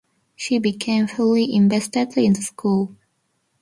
She became fully invested in the school.